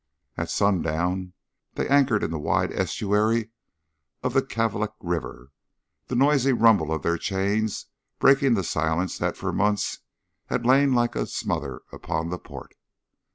At sundown they anchored in the wide estuary of the Kalvik River, the noisy rumble of their chains breaking the silence that for months had lain like a smother upon the port.